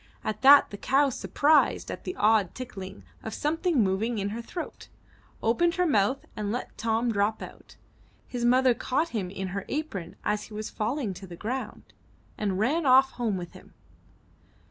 At that, the cow, surprised at the odd tickling as of something moving in her throat, opened her mouth and let Tom drop out. His mother caught him in her apron as he was falling to the ground, and ran off home with him.